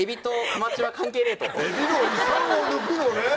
エビの胃酸を抜くのね！